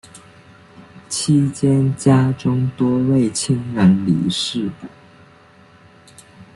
期间家中多位亲人离世。